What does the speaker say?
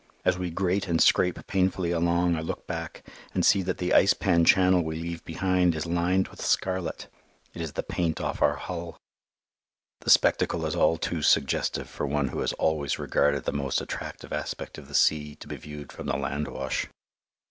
As we grate and scrape painfully along I look back and see that the ice pan channel we leave behind is lined with scarlet. It is the paint off our hull. The spectacle is all too suggestive for one who has always regarded the most attractive aspect of the sea to be viewed from the landwash.